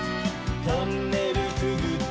「トンネルくぐって」